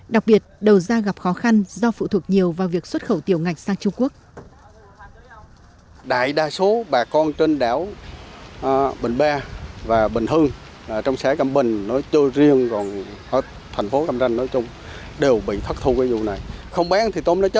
đặc biệt đầu da gặp khó khăn do phụ thuộc nhiều vào việc xuất khẩu tiểu ngạch sang trung quốc